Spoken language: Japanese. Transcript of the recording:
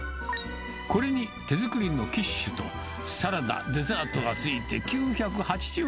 これに手作りのキッシュとサラダ、デザートがついて９８０円。